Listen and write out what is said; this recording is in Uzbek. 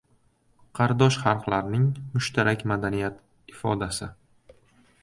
Qardosh xalqlarning mushtarak madaniyati ifodasi